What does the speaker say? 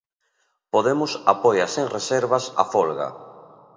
Podemos apoia sen reservas a folga.